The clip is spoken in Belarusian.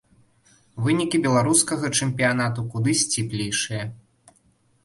Вынікі беларускага чэмпіянату куды сціплейшыя.